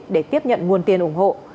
để tiếp nhận nguồn tiền ủng hộ